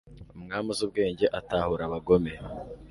umwami uzi ubwenge atahura abagome